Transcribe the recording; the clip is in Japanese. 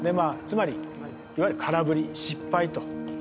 つまりいわゆる空振り失敗と。